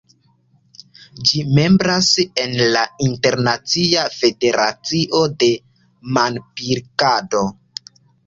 Ĝi membras en la Internacia Federacio de Manpilkado.